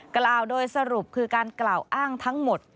กล่าวโดยสรุปคือการกล่าวอ้างทั้งหมด